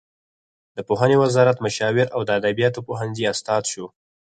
د پوهنې وزارت مشاور او د ادبیاتو پوهنځي استاد شو.